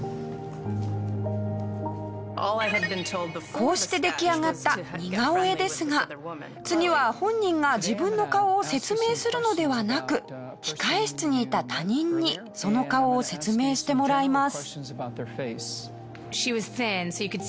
こうして出来上がった似顔絵ですが次は本人が自分の顔を説明するのではなく控室にいた他人にその顔を説明してもらいます。